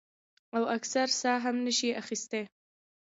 او اکثر ساه هم نشي اخستے ـ